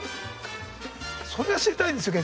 それが知りたいんですよ